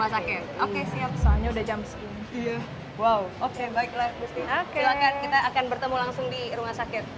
sakit oke siap soalnya udah jam segini wow oke baiklah kita akan bertemu langsung di rumah sakit